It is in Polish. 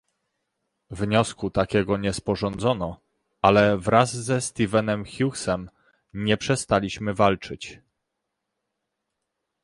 Wniosku takiego nie sporządzono, ale wraz ze Stephenem Hughesem nie przestaliśmy walczyć